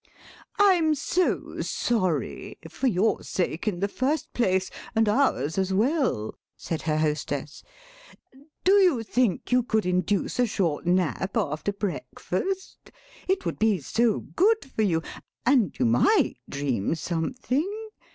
"I'm so sorry, for your sake in the first place, and ours as well," said her hostess; "do you think you could induce a short nap after breakfast? It would be so good for you—and you might dream something.